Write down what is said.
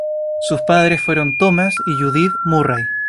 Sus padres fueron Thomas y Judith Murray.